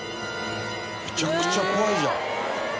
めちゃくちゃ怖いじゃん」